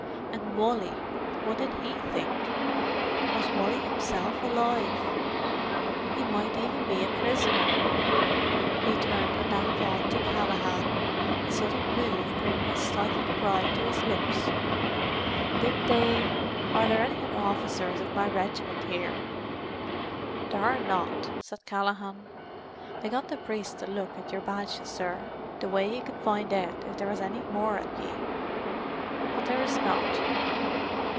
And Wally—what did he think? Was Wally himself alive? He might even be a prisoner. He turned at that thought to Callaghan, his sudden move bringing a stifled cry to his lips. "Did they—are there any other officers of my regiment here?" "There are not," said Callaghan. "I got the priest to look at your badges, sir, the way he could find out if there was anny more of ye. But there is not.